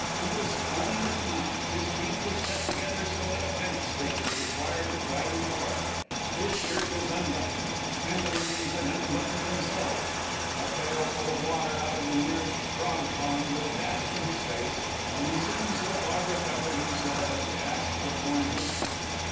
He was foaming at the mouth; his teeth were set together so that a fence stake was required to pry them apart; his shirt was unbuttoned (his pantaloons had unbuttoned themselves); a pailful of water out of the nearest frog pond was dashed in his face, and he soon so far recovered himself as to ask for corn whisky.